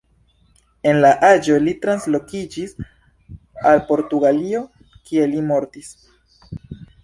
En la aĝo li translokiĝis al Portugalio, kie li mortis.